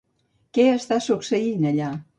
Què està succeint allà?